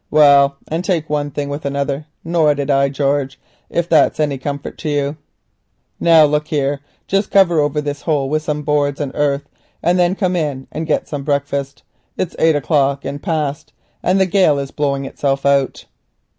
Well, and take one thing with another, nor did I, George, if that's any comfort to you. Now look here, just cover over this hole with some boards and earth, and then come in and get some breakfast. It's past eight o'clock and the gale is blowing itself out.